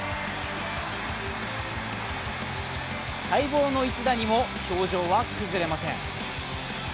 待望の一打にも表情は崩れません。